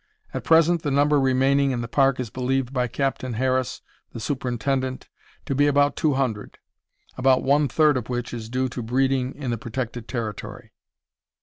At present the number remaining in the park is believed by Captain Harris, the superintendent, to be about two hundred; about one third of which is due to breeding in the protected territory.